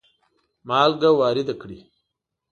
مالګه وارده کړي.